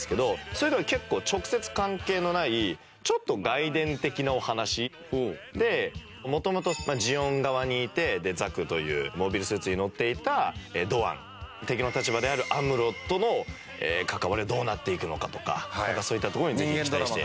それとは結構直接関係のないちょっと外伝的なお話で元々ジオン側にいてザクというモビルスーツに乗っていたドアン敵の立場であるアムロとの関わりはどうなっていくのかとかそういったところにぜひ期待して。